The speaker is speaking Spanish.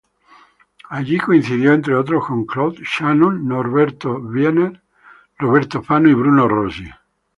Allí coincidió, entre otros, con Claude Shannon, Norbert Wiener, Robert Fano y Bruno Rossi.